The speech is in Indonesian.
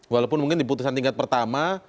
walaupun mungkin di putusan tingkat pertama